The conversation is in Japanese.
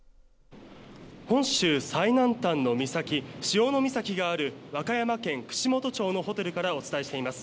本州最南端の岬、潮岬がある和歌山県串本町のホテルからお伝えしています。